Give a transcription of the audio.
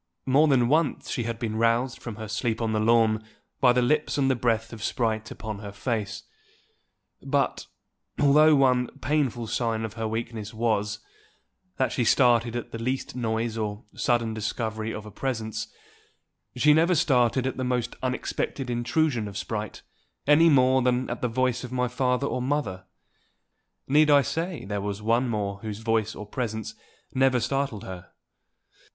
More than once she had been roused from her sleep on the lawn by the lips and the breath of Sprite upon her face; but, although one painful sign of her weakness was, that she started at the least noise or sudden discovery of a presence, she never started at the most unexpected intrusion of Sprite, any more than at the voice of my father or mother. Need I say there was one more whose voice or presence never startled her?